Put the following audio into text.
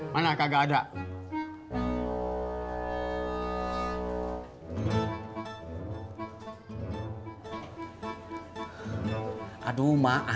mana kagak ada